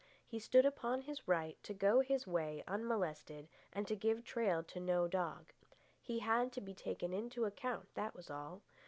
He stood upon his right to go his way unmolested and to give trail to no dog. He had to be taken into account, that was all.